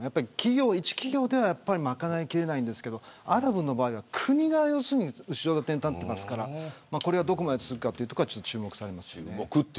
いち企業ではまかない切れないんですけどアラブの場合は国が後ろ盾に立ってますからこれがどこまで続くか注目されます。